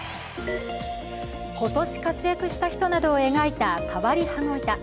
今年活躍した人などを描いた変わり羽子板。